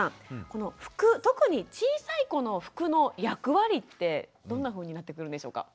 この服特に小さい子の服の役割ってどんなふうになってくるんでしょうか。